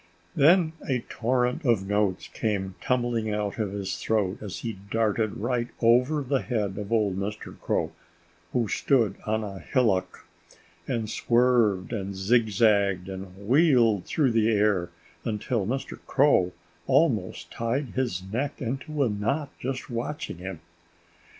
Then a torrent of notes came tumbling out of his throat as he darted right over the head of old Mr. Crow (who stood on a hillock) and swerved and zigzagged and wheeled through the air, until Mr. Crow almost tied his neck into a knot, just watching him.